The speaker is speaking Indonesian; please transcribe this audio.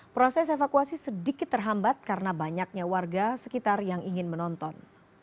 proses evakuasi sedikit terhambat karena banyaknya warga sekitar yang ingin menonton